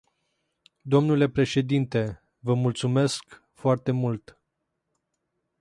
Domnule președinte, vă mulțumesc foarte mult.